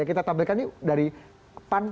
kita tampilkan nih dari pan